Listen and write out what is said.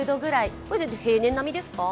これは平年並みですか。